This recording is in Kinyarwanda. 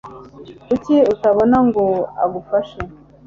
Kuki utabona ngo agufashe?